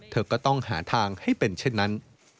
เธอก็ต้องหาทางให้เป็นเช่นนั้น